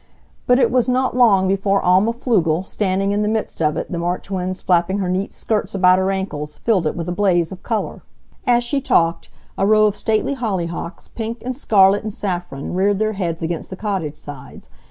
But it was not long before Alma Pflugel, standing in the midst of it, the March winds flapping her neat skirts about her ankles, filled it with a blaze of color. As she talked, a row of stately hollyhocks, pink, and scarlet, and saffron, reared their heads against the cottage sides.